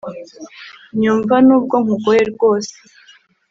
Nyumva nubwo nkugoye rwose